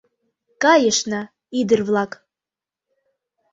Кайышна, ӱдыр-влак!